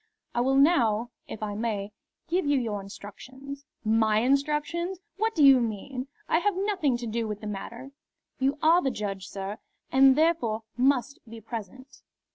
I will now, if I may, give you your instructions." "My instructions! What do you mean? I have nothing to do with the matter." "You are the judge, sir, and therefore must be present."